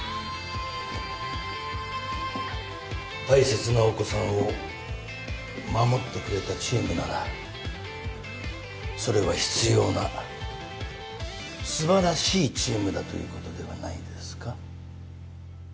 大切なお子さんを守ってくれたチームならそれは必要なすばらしいチームだということではないですか？